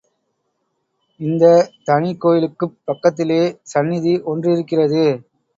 இந்தத் தனிக் கோயிலுக்குப் பக்கத்திலே சந்நிதி ஒன்றிருக்கிறது.